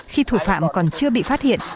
khi thủ phạm còn chưa bị phát hiện